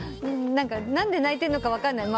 何でないてんのか分かんない。